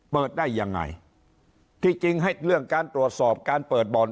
เปิดได้ยังไงที่จริงให้เรื่องการตรวจสอบการเปิดบ่อน